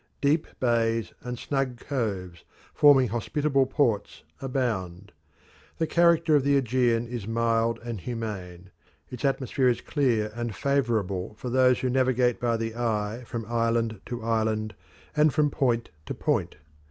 Deep bays and snug coves, forming hospitable ports, abound. The character of the Aegean is mild and humane; its atmosphere is clear and favourable for those who navigate by the eye from island to island and from point to point.